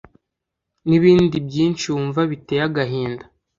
” N’ibindi byinshi wumva biteye agahinda